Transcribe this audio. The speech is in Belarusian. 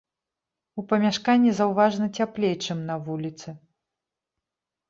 У памяшканні заўважна цяплей, чым на вуліцы.